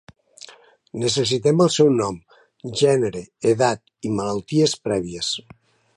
Necessitem el seu nom, gènere, edat i malalties prèvies.